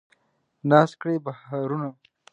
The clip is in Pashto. ناز کړي بهارونه